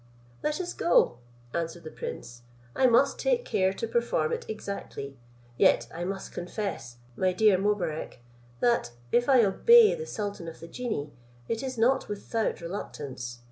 "Let us go," answered the prince; "I must take care to perform it exactly; yet I must confess, my dear Mobarec, that, if I obey the sultan of the genii, it is not without reluctance.